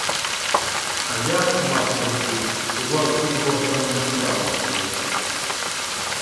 — А як, Марченку, у вас із Богданом справа стоїть?